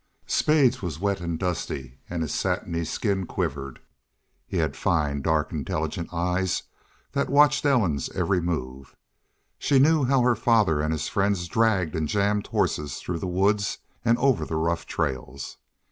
Spades was wet and dusty and his satiny skin quivered. He had fine, dark, intelligent eyes that watched Ellen's every move. She knew how her father and his friends dragged and jammed horses through the woods and over the rough trails.